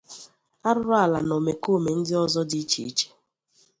arụrụala na omekoome ndị ọzọ dị iche iche.